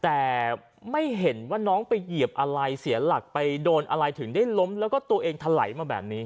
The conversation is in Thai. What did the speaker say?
แต่ไม่เห็นว่าน้องไปเหยียบอะไรเสียหลักไปโดนอะไรถึงได้ล้มแล้วก็ตัวเองถลายมาแบบนี้